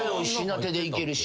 手でいけるし。